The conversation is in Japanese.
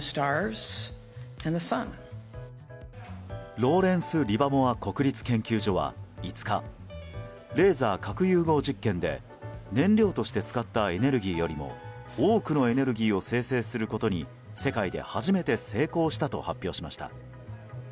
ローレンス・リバモア国立研究所は５日レーザー核融合実験で燃料として使ったエネルギーよりも多くのエネルギーを生成することに世界で初めて成功したと発表しました。